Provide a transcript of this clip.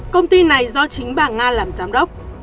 công ty này do chính bà nga làm giám đốc